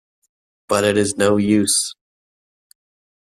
But it is no use.